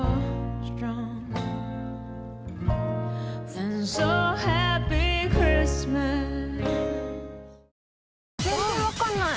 全然分かんない。